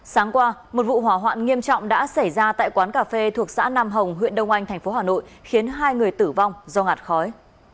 sáng qua một vụ hỏa hoạn nghiêm trọng đã xảy ra tại quán cà phê thuộc xã nam hồng huyện đông anh tp hà nội khiến hai người tử vong do ngạt khói